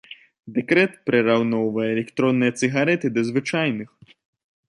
Дэкрэт прыраўноўвае электронныя цыгарэты да звычайных.